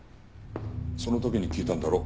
その時に聞いたんだろ？